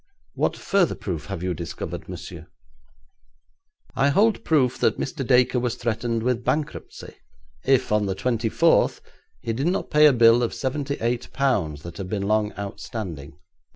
What further proof have you discovered, monsieur?' 'I hold proof that Mr. Dacre was threatened with bankruptcy, if, on the twenty fourth, he did not pay a bill of seventy eight pounds that had been long outstanding.